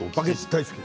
大好き。